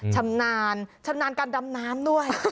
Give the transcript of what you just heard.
ชำนาญการดำน้ำด้วย